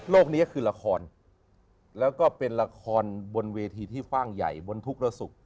นี้คือละครแล้วก็เป็นละครบนเวทีที่ฟ่างใหญ่บนทุกระสุข